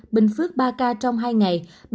bình phước ba ca trong hai ngày